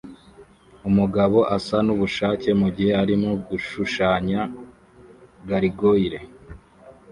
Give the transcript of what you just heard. Umugabo asa nubushake mugihe arimo gushushanya gargoyle